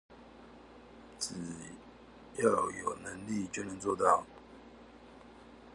只要有能力就能做到